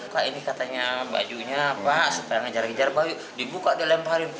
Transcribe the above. pak ini katanya bajunya pak supaya ngejar ngejar baju dibuka dilemparin